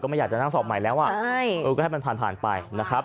ก็ไม่อยากจะนั่งสอบใหม่แล้วก็ให้มันผ่านไปนะครับ